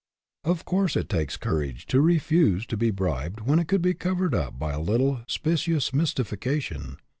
Of course it takes courage to refuse to be bribed when it could be covered up by a little specious mys tification.